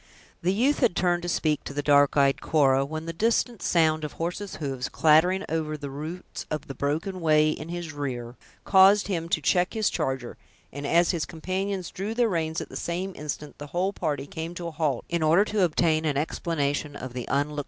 The youth had turned to speak to the dark eyed Cora, when the distant sound of horses hoofs, clattering over the roots of the broken way in his rear, caused him to check his charger; and, as his companions drew their reins at the same instant, the whole party came to a halt, in order to obtain an explanation of the unlooked for interruption.